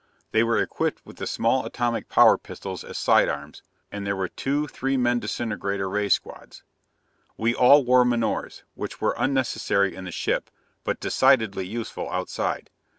They were equipped with the small atomic power pistols as side arms, and there were two three men disintegrator ray squads. We all wore menores, which were unnecessary in the ship, but decidedly useful outside.